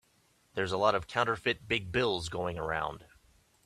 There's a lot of counterfeit big bills going around.